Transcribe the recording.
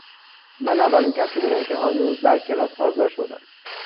من اولین کسی بودم که آن روز در کلاس حاضر شدم.